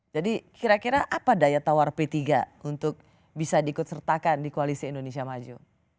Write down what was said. jadi kira kira apa daya tawar p tiga untuk bisa dikonsertakan di koalisi indonesia maju